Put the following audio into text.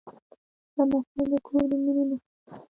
لمسی د کور د مینې نښه ده.